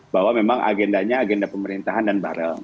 bahwa memang agendanya agenda pemerintahan dan barel